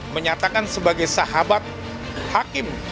menyatakan sebagai sahabat hakim